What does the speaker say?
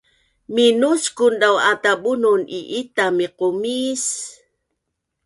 Minuskun dau ata Bunun i’ita miqumis